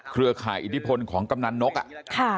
เครือข่ายอิทธิพลของกำนันนก